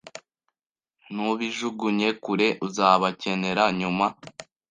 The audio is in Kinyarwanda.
Ntubijugunye kure. Uzabakenera nyuma